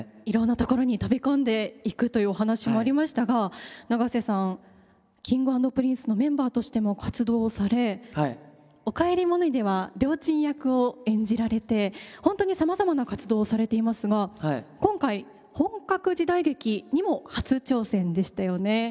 いろんなところに飛び込んでいくというお話もありましたが永瀬さんＫｉｎｇ＆Ｐｒｉｎｃｅのメンバーとしても活動をされ「おかえりモネ」ではりょーちん役を演じられて本当にさまざまな活動をされていますが今回本格時代劇にも初挑戦でしたよね。